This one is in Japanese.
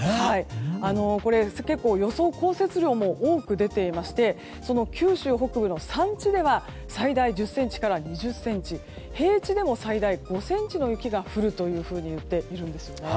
予想降雪量も多く出ていまして九州北部の山地では最大１０ｃｍから２０ｃｍ平地でも最大５ｃｍの雪が降るといっているんですね。